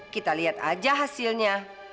kita lihat aja hasilnya